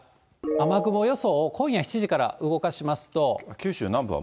雨雲予想を今夜７時から動かしますと。